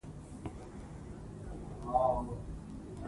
دښمن ته مخه کړه.